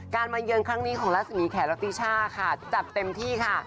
การมาเยินครั้งนี้ของรัฐสมีแขกแล้วตี้ช่าค่ะจัดเต็มที่ค่ะ